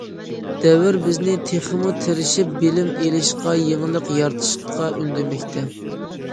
دەۋر بىزنى تېخىمۇ تىرىشىپ بىلىم ئېلىشقا، يېڭىلىق يارىتىشقا ئۈندىمەكتە.